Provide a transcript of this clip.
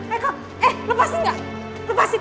eh kok eh lepasin gak lepasin